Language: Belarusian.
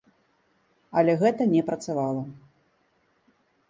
Але гэта не працавала.